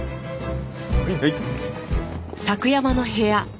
はい。